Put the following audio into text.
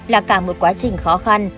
là cả một quá trình khó khăn